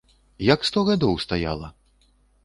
Як сто гадоў стаяла!